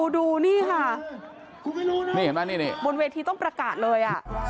ดูนี่ค่ะบนเวทีต้องประกาศเลย